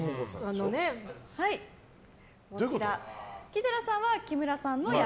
木寺さんは木村さんの役。